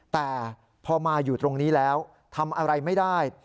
แต่พอมาอยู่ตรงนี้แล้วทำอะไรไม่ได้